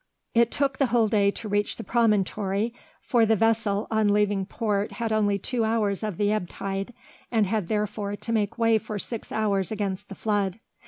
It took the whole day to reach the promontory, for the vessel on leaving port had only two hours of the ebb tide, and had therefore to make way for six hours against the flood.